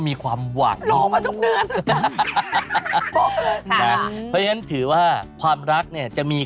เพราะว่าเป็นสายรุ้ง